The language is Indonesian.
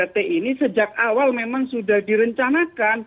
tiga t ini sejak awal memang sudah direncanakan